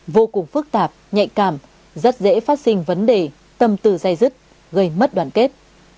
vô cùng phức tạp nhạy cảm rất dễ phát sinh vấn đề tâm tư dây dứt gây mất đoàn kết